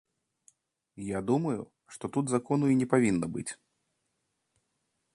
Я думаю, што тут закону і не павінна быць.